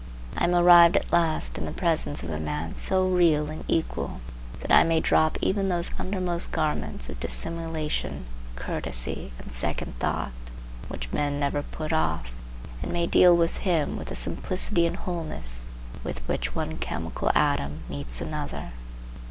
I am arrived at last in the presence of a man so real and equal that I may drop even those undermost garments of dissimulation, courtesy, and second thought, which men never put off, and may deal with him with the simplicity and wholeness with which one chemical atom meets another.